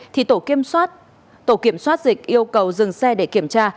thì tổ kiểm soát dịch yêu cầu dừng xe để kiểm tra